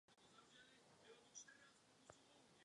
Věříme, že lid Francie a lid Evropy chce něco jiné.